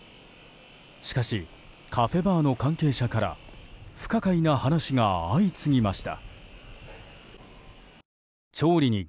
しかし、カフェバーの関係者から不可解な話が相次ぎました。